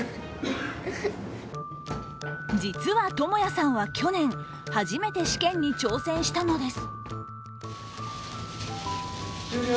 実は智弥さんは去年、初めて試験に挑戦したのです。